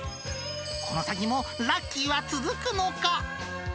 この先もラッキーは続くのか？